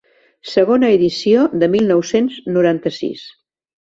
Segona edició de mil nou-cents noranta-sis.